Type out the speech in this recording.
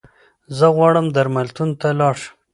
زه غواړم درملتون ته لاړشم